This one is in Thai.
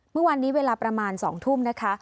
เมื่อวานนี้เวลาประมาณ๒ทุ่มนะคะ